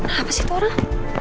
apa sih itu orang